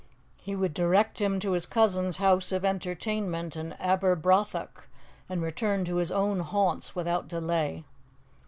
He would direct him to his cousin's house of entertainment in Aberbrothock, and return to his own haunts without delay.